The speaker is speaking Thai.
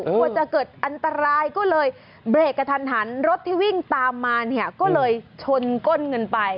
กลัวจะเกิดอันตรายก็เลยเบรกกระทันหันรถที่วิ่งตามมาเนี่ยก็เลยชนก้นเงินไป